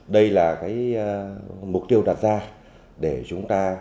đây là mục tiêu đạt ra để chúng ta